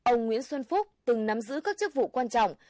ông nguyễn xuân phúc từng nắm giữ các chức vụ quan trọng